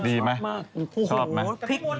ดีมากชอบมาก